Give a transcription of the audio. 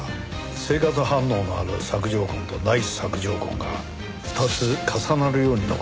生活反応のある索条痕とない索条痕が２つ重なるように残っていた。